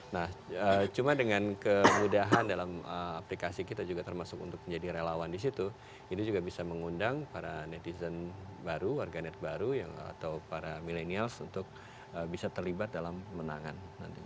nah cuma dengan kemudahan dalam aplikasi kita juga termasuk untuk menjadi relawan di situ ini juga bisa mengundang para netizen baru warganet baru atau para milenials untuk bisa terlibat dalam menangan nanti